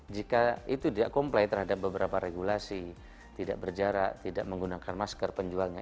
jika itu tidak comply terhadap beberapa regulasi tidak berjarak tidak menggunakan masker penjualnya